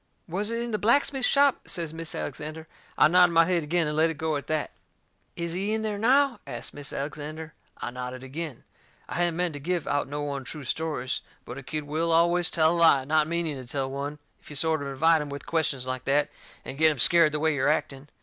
"Was it in the blacksmith shop?" says Mis' Alexander. I nodded my head agin and let it go at that. "Is he in there now?" asts Mis' Alexander. I nodded agin. I hadn't meant to give out no untrue stories. But a kid will always tell a lie, not meaning to tell one, if you sort of invite him with questions like that, and get him scared the way you're acting.